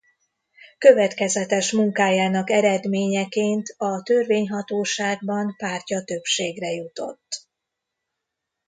Következetes munkájának eredményeként a törvényhatóságban pártja többségre jutott.